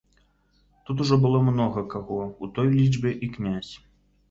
Тут ужо было многа каго, у той лічбе і князь.